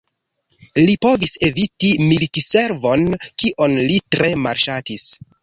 Li povis eviti militservon, kion li tre malŝatis.